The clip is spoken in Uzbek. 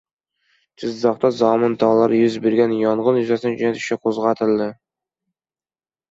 Jizzaxdagi Zomin tog‘larida yuz bergan yong‘in yuzasidan jinoyat ishi qo‘zg‘atildi